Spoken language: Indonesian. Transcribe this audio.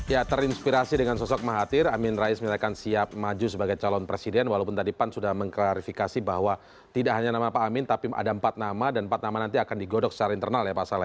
ya terinspirasi dengan sosok mahathir amin rais menyatakan siap maju sebagai calon presiden walaupun tadi pan sudah mengklarifikasi bahwa tidak hanya nama pak amin tapi ada empat nama dan empat nama nanti akan digodok secara internal ya pak saleh